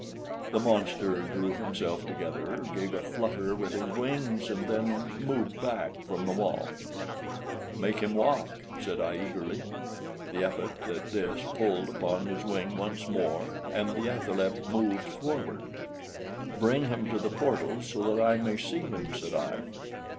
The monster drew himself together, gave a flutter with his wings, and then moved back from the wall. "Make him walk," said I, eagerly. The Epet at this pulled upon his wing once more, and the athaleb moved forward. "Bring him to the portal, so that I may see him," said I.